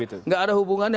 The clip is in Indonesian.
kalau tidak ada hubungannya